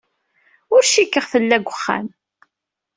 Ur cikkeɣ tella deg wexxam.